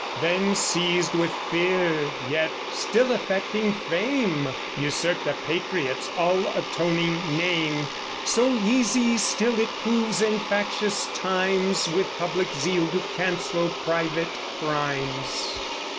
Then seized with fear, yet still affecting fame, Usurped a patriot's all atoning name. So easy still it proves in factious times With public zeal to cancel private crimes.